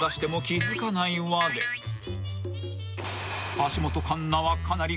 ［橋本環奈はかなり］